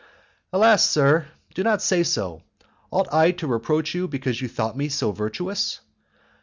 "Alas, sir! do not say so; ought I to reproach you because you thought me so virtuous?